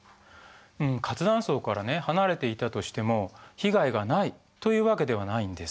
うん活断層からね離れていたとしても被害がないというわけではないんです。